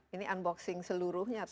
ini unboxing seluruhnya atau